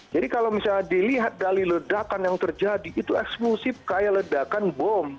jadi kalau misalnya dilihat dari ledakan yang terjadi itu eksplosif kayak ledakan bom